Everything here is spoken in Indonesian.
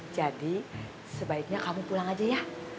jadi sebaiknya kamu pulang aja ya